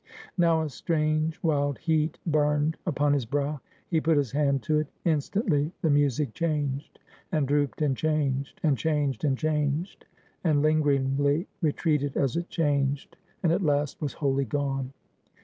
Now a strange wild heat burned upon his brow; he put his hand to it. Instantly the music changed; and drooped and changed; and changed and changed; and lingeringly retreated as it changed; and at last was wholly gone.